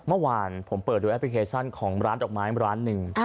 เมื่อวานผมเปิดดูแอปพลิเคชันของร้านดอกไม้ร้านหนึ่ง